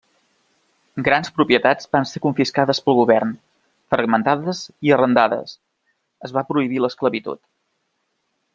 Grans propietats van ser confiscades pel govern, fragmentades i arrendades; es va prohibir l'esclavitud.